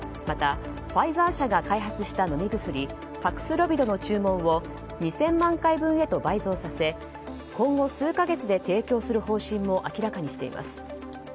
また、ファイザー社が開発した飲み薬パクスロビドの注文を２０００万回分へと倍増させ今後、数か月で提供する方針も明らかにしています。